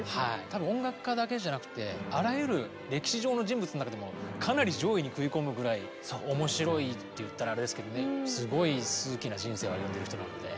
多分音楽家だけじゃなくてあらゆる歴史上の人物の中でもかなり上位に食い込むぐらい面白いって言ったらあれですけどねすごい数奇な人生を歩んでる人なので。